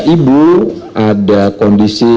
ibu ada kondisi